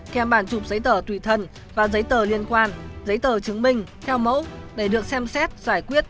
theo bản chụp giấy tờ tùy thân và giấy tờ liên quan giấy tờ chứng minh theo mẫu để được xem xét giải quyết